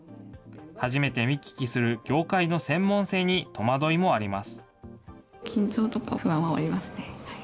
初めて見聞きする業界の専門性に戸惑いもあります。